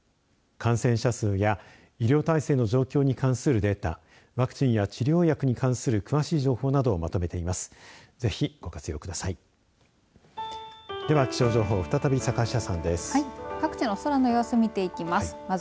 感染者数や医療体制の状況に関するデータワクチンや治療薬に関する詳しい情報などをまとめています。